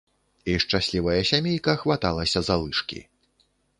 І шчаслівая сямейка хваталася за лыжкі.